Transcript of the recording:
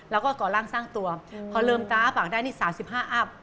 แล้วก็ก่อร่างสร้างตัวพอเริ่มตาอปากได้นี่๓๕อัพ